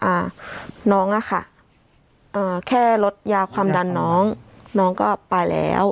อ่าน้องอ่ะค่ะอ่าแค่ลดยาความดันน้องน้องก็ไปแล้ว